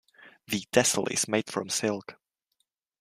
The tassel is made from silk.